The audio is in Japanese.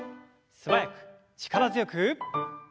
素早く力強く。